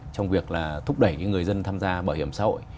trong việc là thúc đẩy người dân tham gia bảo hiểm xã hội